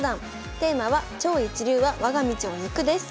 テーマは「超一流はわが道を行く」です。